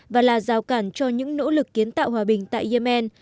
và là rào cản cho những nỗ lực kiến tạo hòa bình tại yemen